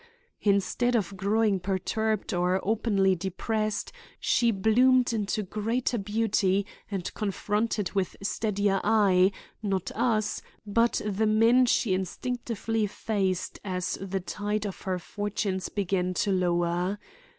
Instead of growing perturbed or openly depressed she bloomed into greater beauty and confronted with steadier eye, not us, but the men she instinctively faced as the tide of her fortunes began to lower.